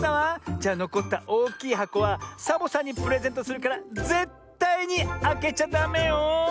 じゃのこったおおきいはこはサボさんにプレゼントするからぜったいにあけちゃダメよ。